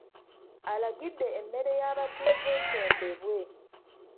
Alagidde emmere y’abatuuze esendebwe.